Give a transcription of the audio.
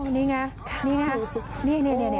อ๋อนี่ไง